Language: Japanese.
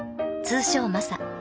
通称マサ。